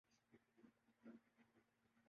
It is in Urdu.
بہت بُرا ہُوں! کسی کا بُرا نہ کر پایا